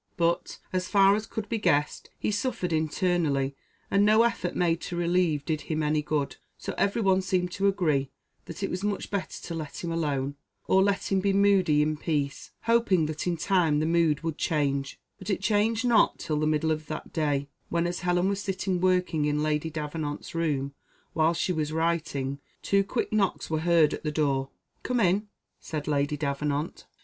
But, as far as could be guessed, he suffered internally, and no effort made to relieve did him any good, so every one seemed to agree that it was much better to let him alone, or let him be moody in peace, hoping that in time the mood would change; but it changed not till the middle of that day, when, as Helen was sitting working in Lady Davenant's room, while she was writing, two quick knocks were heard at the door. "Come in!" said Lady Davenant.